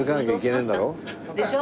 でしょ？